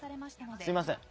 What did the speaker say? すいません。